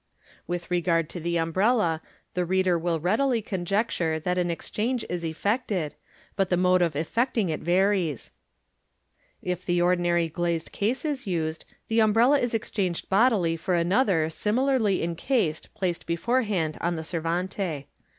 With regard to the umbrella, the reader will readily conjecture that an exchange is effected, but the mode of effecting it varies. If the ordinary glazed case is used, the umbrella is exchanged bodily foi another, similarly encased, placed beforehand on the servant*.